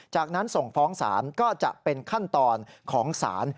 จากนั้นส่งฟ้องศาลก็จะเป็นขั้นตอนของศาล